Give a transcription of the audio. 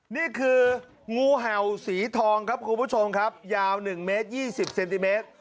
นี่คืองูเห่าสีทองครับคุณผู้ชมครับยาว๑เมตร๒๐เซนติเมตร